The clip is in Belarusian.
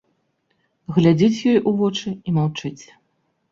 Глядзіць ёй у вочы і маўчыць.